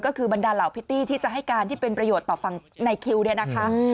ก็คือบรรดาเหล่าพิตตี้ที่จะให้การที่เป็นประโยชน์ต่อฝั่งในคิวเนี่ยนะคะ